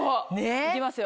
行きますよ